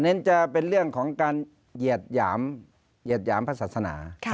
อันนั้นจะเป็นเรื่องของการเหยียดหยามพระศาสนา